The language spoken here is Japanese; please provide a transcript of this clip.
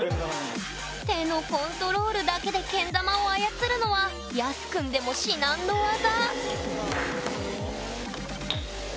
手のコントロールだけでけん玉を操るのはＹＡＳＵくんでも至難の業！